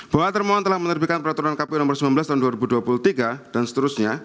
bahwa termohon telah menerbitkan peraturan kpu nomor sembilan belas tahun dua ribu dua puluh tiga dan seterusnya